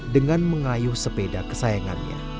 dengan mengayuh sepeda kesayangannya